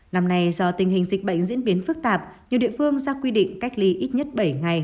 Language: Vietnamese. năm nay do tình hình dịch bệnh diễn biến phức tạp nhiều địa phương ra quy định cách ly ít nhất bảy ngày